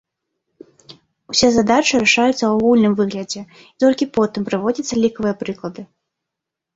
Усе задачы рашаюцца ў агульным выглядзе, і толькі потым прыводзяцца лікавыя прыклады.